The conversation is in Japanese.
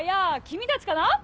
君たちかな？